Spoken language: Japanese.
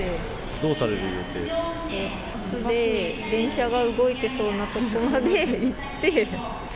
バスで、電車が動いてそうなとこまで行って。